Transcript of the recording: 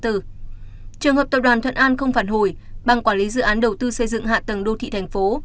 trường hợp tập đoàn thuận an không phản hồi bang quản lý dự án đầu tư xây dựng hạ tầng đô thị thành phố